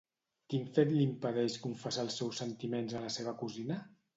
Quin fet li impedeix confessar els seus sentiments a la seva cosina?